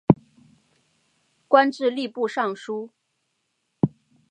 官至吏部尚书。